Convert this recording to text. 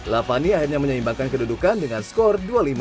lavani akhirnya menyeimbangkan kedudukan dengan skor dua puluh lima dua puluh satu